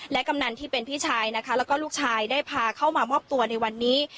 และกำหนังที่เป็นพี่ชายและลูกชายได้พาเข้ามาอบตัวในวันนี้